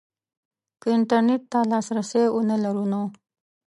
که انترنټ ته لاسرسی ونه لرو نو